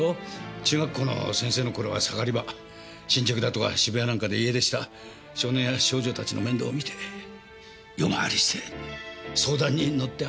中学校の先生の頃は盛り場新宿だとか渋谷なんかで家出した少年や少女たちの面倒を見て夜回りして相談に乗ってあげて。